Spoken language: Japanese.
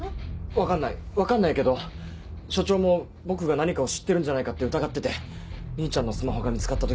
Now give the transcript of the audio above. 分かんない分かんないけど署長も僕が何かを知ってるんじゃないかって疑ってて兄ちゃんのスマホが見つかった時も。